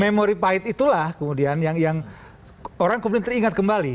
memorified itulah kemudian yang orang kemudian teringat kembali